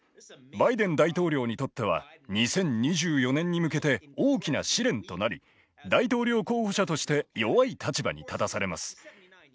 バイデン大統領にとっては２０２４年に向けて大きな試練となり大統領候補者として弱い立場に立たされます。